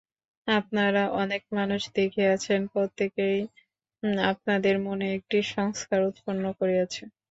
আপনারা অনেক মানুষ দেখিয়াছেন, প্রত্যেকেই আপনাদের মনে একটি সংস্কার উৎপন্ন করিয়াছে।